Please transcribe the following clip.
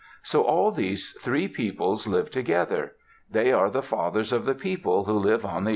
So all these three peoples lived together. They are the fathers of the people who live on the earth today.